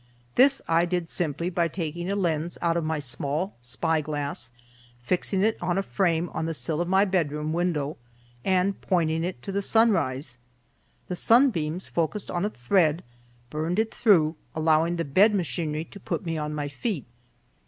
This I did simply by taking a lens out of my small spy glass, fixing it on a frame on the sill of my bedroom window, and pointing it to the sunrise; the sunbeams focused on a thread burned it through, allowing the bed machinery to put me on my feet.